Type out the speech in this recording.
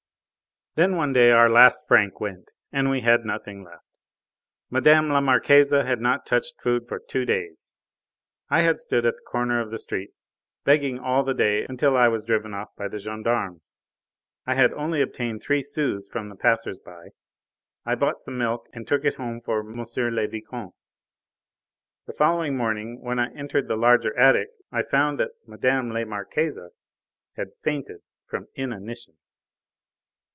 Then one day our last franc went and we had nothing left. Mme. la Marquise had not touched food for two days. I had stood at the corner of the street, begging all the day until I was driven off by the gendarmes. I had only obtained three sous from the passers by. I bought some milk and took it home for M. le Vicomte. The following morning when I entered the larger attic I found that Mme. la Marquise had fainted from inanition.